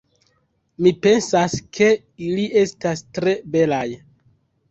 Mi pensas, ke ili estas tre belaj